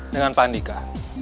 dengan pak andika